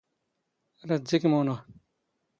ⵔⴰⴷ ⴷⵉⴽ ⵎⵓⵏⵖ.